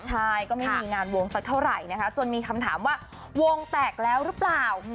ใช่ก็ไม่มีงานวงสักเท่าไหร่นะคะจนมีคำถามว่าวงแตกแล้วหรือเปล่า